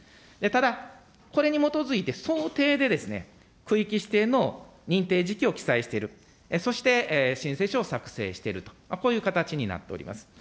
ただ、これに基づいて想定で、区域指定の認定時期を記載している、そして申請書を策定していると、こういう形になっております。